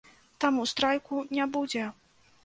Таму страйку не будзе.